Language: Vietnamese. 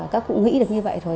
các cụ nghĩ được như vậy rồi